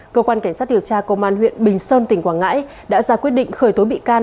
cơ quan cảnh sát điều tra công an huyện bình sơn tỉnh quảng ngãi đã ra quyết định khởi tố bị can